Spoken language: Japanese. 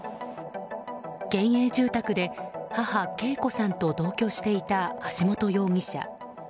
県営住宅で母・啓子さんと同居していた橋本容疑者。